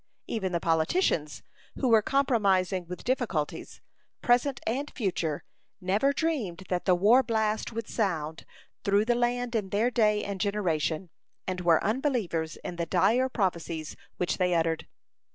Even the politicians, who were compromising with difficulties, present and future, never dreamed that the war blast would sound through the land in their day and generation, and were unbelievers in the dire prophecies which they uttered.